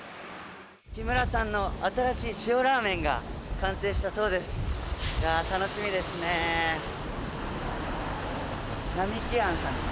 木村さんの新しい塩ラーメンが完成したそうです。